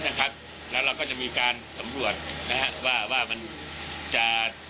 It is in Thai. และเราก็จะมีการสำรวจว่ามันจะ